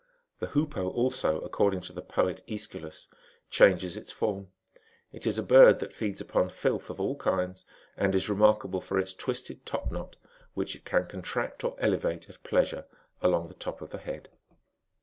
The hoopoe also, according to the poet <^schylus, changes its form ; it is a bird that feeds upon filth ^^ of all kinds, and is remarkable for its twisted top knot, which it can contract or elevate at pleasure along the top of the head.